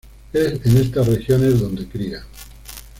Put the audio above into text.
Es en estas regiones donde cría.